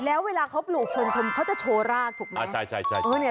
แล้วเวลาเขาปลูกชวนชมเขาจะโชว์รากถูกไหม